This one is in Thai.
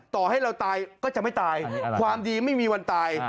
ต่อให้เราตายก็จะไม่ตายความดีไม่มีวันตาย